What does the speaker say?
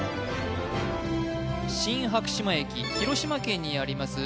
新白島駅広島県にあります